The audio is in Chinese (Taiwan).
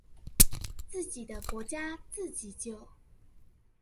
自己的國家自己救